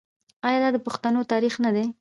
آیا دا د پښتنو تاریخ نه دی؟